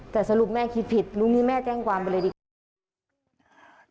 แต่สรุปแม่คิดผิดพรุ่งนี้แม่แจ้งความไปเลยดีกว่า